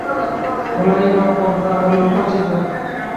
হলাইবা পর-তা হলেও কচি তো?